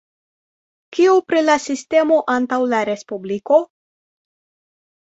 Kio pri la sistemo antaŭ la respubliko?